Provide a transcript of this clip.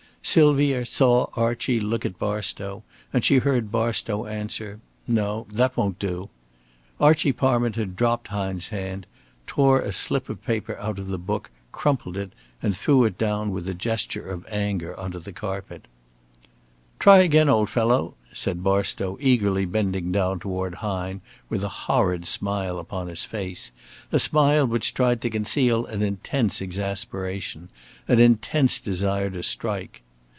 Sylvia saw Archie look at Barstow, and she heard Barstow answer "No, that won't do." Archie Parminter dropped Hine's hand, tore a slip of paper out of the book, crumpled it, and threw it down with a gesture of anger on to the carpet. "Try again, old fellow," said Barstow, eagerly, bending down toward Hine with a horrid smile upon his face, a smile which tried to conceal an intense exasperation, an intense desire to strike.